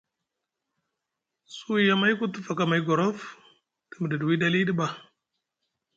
Suwi amayku te faka amay gorof te miɗiɗi wiɗi aliɗi ɓa.